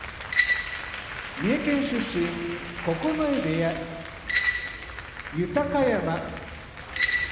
三重県出身九重部屋豊山新潟県出身